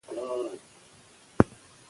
که تجربه تکرار سي، لویه تېروتنه نه کېږي.